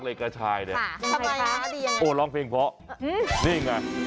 เราสองคนไม่สนใจใส่บาทร่วมคัน